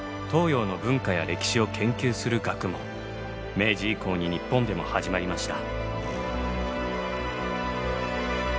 明治以降に日本でも始まりました。